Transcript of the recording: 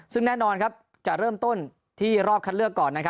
ซึ่งแน่นอนจะเริ่มต้นที่รอบคัดเลือกก่อน